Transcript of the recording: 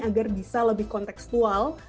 agar bisa lebih konteksual